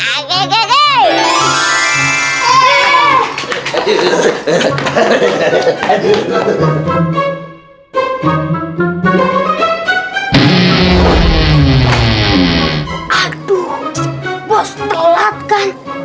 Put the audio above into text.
aduh bos telat kan